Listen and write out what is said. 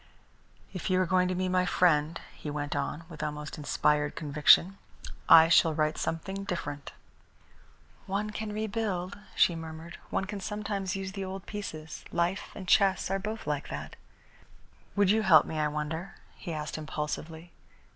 "If you are going to be my friend," he went on, with almost inspired conviction, "I shall write something different." "One can rebuild," she murmured. "One can sometimes use the old pieces. Life and chess are both like that." "Would you help me, I wonder?" he asked impulsively.